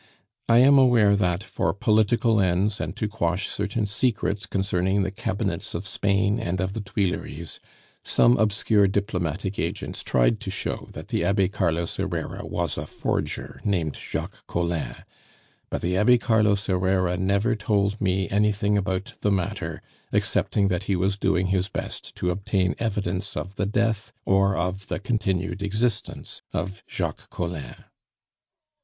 "I am aware that, for political ends, and to quash certain secrets concerning the Cabinets of Spain and of the Tuileries, some obscure diplomatic agents tried to show that the Abbe Carlos Herrera was a forger named Jacques Collin; but the Abbe Carlos Herrera never told me anything about the matter excepting that he was doing his best to obtain evidence of the death or of the continued existence of Jacques Collin.